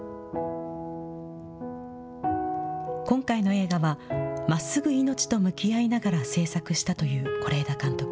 今回の映画は、まっすぐ命と向き合いながら製作したという是枝監督。